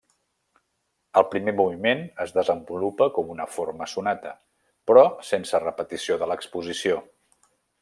El primer moviment es desenvolupa com una forma sonata, però sense repetició de l'exposició.